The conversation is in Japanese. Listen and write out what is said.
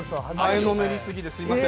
前のめりすぎですいません。